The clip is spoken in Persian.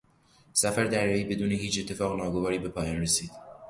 سفر دریایی بدون هیچ اتفاق ناگواری به پایان رسید.